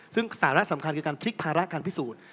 ซึ่งสาระสำคัญคือการพลิกภาระการพิสูจน์